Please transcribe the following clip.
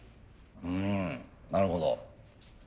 うんなるほど。